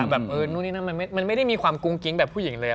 แบบเออนู่นนี่นั่นมันไม่ได้มีความกุ้งกิ๊งแบบผู้หญิงเลย